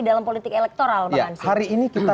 dalam politik elektoral pak hansyuk